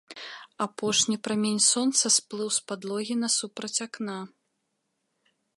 Апошні прамень сонца сплыў з падлогі насупраць акна.